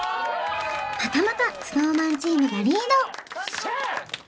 またまたＳｎｏｗＭａｎチームがリードシャー